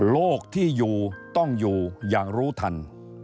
โลกที่อยู่ต้องอยู่อย่างรู้ทัน